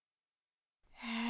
え？